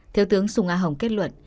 theo tướng sùng a hồng kết luận